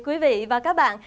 quý vị và các bạn